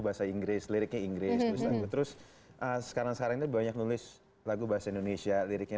bahasa inggris liriknya inggris terus sekarang sekarang banyak nulis lagu bahasa indonesia liriknya